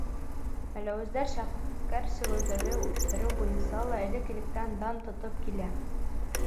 Мәләүездәр шәкәр сөгөлдөрө үҫтереү буйынса ла элек-электән дан тотоп килә.